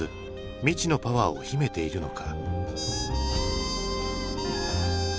未知のパワーを秘めているのか。